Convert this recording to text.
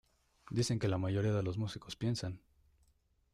dicen que la mayoría de los músicos piensan